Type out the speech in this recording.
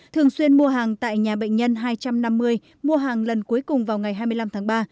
thường xuyên mua hàng tại nhà bệnh nhân hai trăm năm mươi mua hàng lần cuối cùng vào ngày hai mươi năm tháng ba